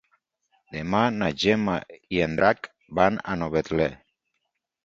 Demà na Gemma i en Drac van a Novetlè.